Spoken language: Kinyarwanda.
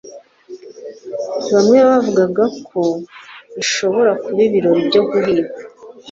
bamwe bavugaga ko bishobora kuba ibirori byo guhiga